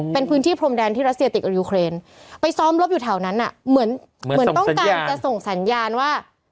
เป็นพื้นที่พรมแดนที่รัสเซียติดกับยูเครนไปซ้อมรบอยู่แถวนั้นอ่ะเหมือนเหมือนต้องการจะส่งสัญญาณว่า